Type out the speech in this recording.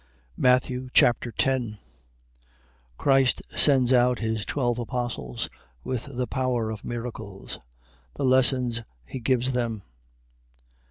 Matthew Chapter 10 Christ sends out his twelve apostles, with the power of miracles. The lessons he gives them.